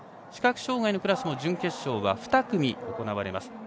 視覚障がいのクラスも準決勝は２組行われます。